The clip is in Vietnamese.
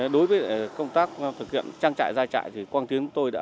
đối với công tác thực hiện trang trại gia trại thì quang tiến tôi đã